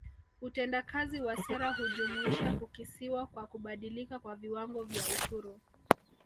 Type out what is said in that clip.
Utendakazi wa sera hujumuisha kukisiwa kwa kubadilika kwa viwango vya ushuru